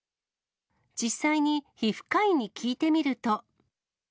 実際に皮膚科医に聞いてみると。